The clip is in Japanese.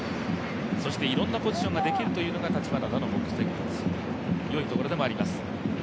いろんなポジションができるというのは橘田の良いところでもあります。